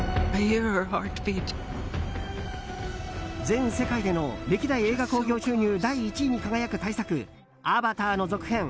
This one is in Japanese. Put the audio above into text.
全世界での歴代映画興行収入第１位に輝く大作「アバター」の続編